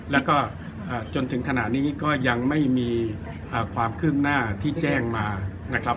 แล้วก็จนถึงขณะนี้ก็ยังไม่มีความคืบหน้าที่แจ้งมานะครับ